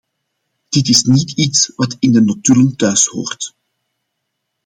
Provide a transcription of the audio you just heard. Dit is niet iets wat in de notulen thuishoort.